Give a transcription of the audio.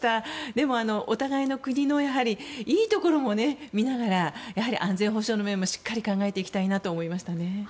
でも、お互いの国のいいところも見ながらやはり安全保障の面もしっかり考えたいと思いました。